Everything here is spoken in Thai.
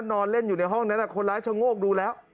นอนเล่นอยู่ในห้องนั้นคนร้ายชะโงกดูแล้ว